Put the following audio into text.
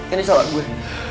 ini salah gue